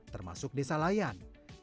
termasuk desa layan